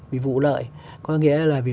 vì vụ lợi có nghĩa là vì